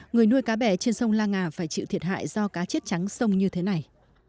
người nuôi cá bè trên sông la nga phải chịu thiệt hại do cá chết trắng sông như thế này